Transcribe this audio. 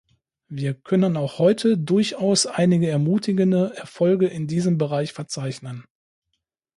Wir können auch heute durchaus einige ermutigende Erfolge in diesem Bereich verzeichnen.